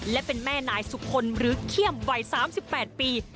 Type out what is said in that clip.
และเป็นแม่นายสุคลหรือเขี้ยมวัย๓๘ปี